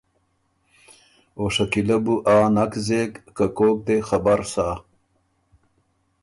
او شکیلۀ بو آ نک زېک که کوک دې خبر سۀ